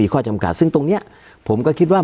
การแสดงความคิดเห็น